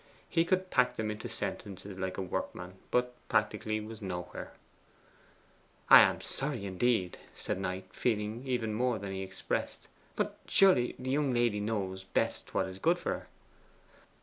He could pack them into sentences like a workman, but practically was nowhere. 'I am indeed sorry,' said Knight, feeling even more than he expressed. 'But surely, the young lady knows best what is good for her!